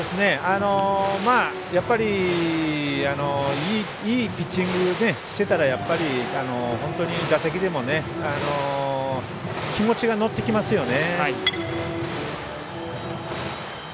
やっぱりいいピッチングしてたら打席でも気持ちが乗ってきますよね。